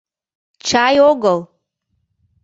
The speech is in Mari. — Чай огыл...